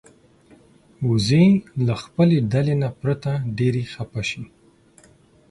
وزې له خپلې ډلې نه پرته ډېرې خپه شي